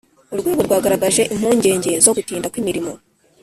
Urwego rwagaragaje impungenge zo gutinda kw’imirimo